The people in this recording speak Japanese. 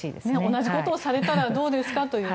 同じことをされたらどうですか？と。